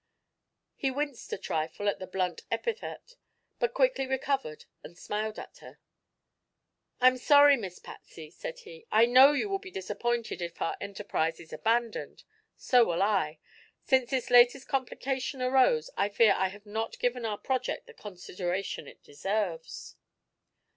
He winced a trifle at the blunt epithet but quickly recovered and smiled at her. "I'm sorry, Miss Patsy," said he. "I know you will be disappointed if our enterprise is abandoned. So will I. Since this latest complication arose I fear I have not given our project the consideration it deserves."